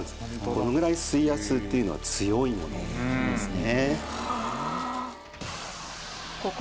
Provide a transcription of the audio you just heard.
このぐらい水圧っていうのは強いものなんですね。